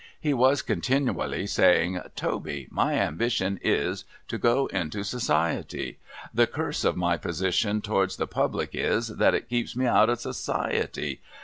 He was continiwally saying, ' Toby, my ambition is, to go into vSociety. The curse of my position towards the Pubhc is, that it keeps me hout of Society.